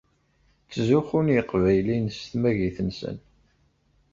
Ttzuxun Yiqbayliyen s tmagit-nsen.